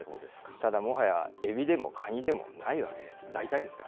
ただもはや、エビでもカニでもないわけですよ。